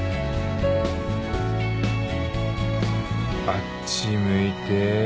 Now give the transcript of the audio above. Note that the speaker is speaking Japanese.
あっち向いて。